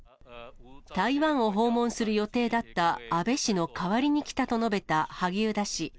台湾を訪問する予定だった安倍氏の代わりに来たと述べた萩生田氏。